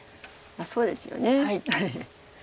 そうですよね。